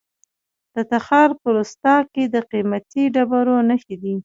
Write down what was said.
د تخار په رستاق کې د قیمتي ډبرو نښې دي.